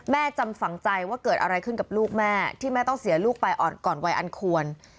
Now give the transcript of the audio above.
จำฝังใจว่าเกิดอะไรขึ้นกับลูกแม่ที่แม่ต้องเสียลูกไปอ่อนก่อนวัยอันควร